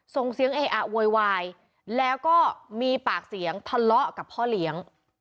ส่งเสียงเออะโวยวายแล้วก็มีปากเสียงทะเลาะกับพ่อเลี้ยง